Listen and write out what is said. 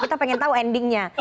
kita pengen tahu endingnya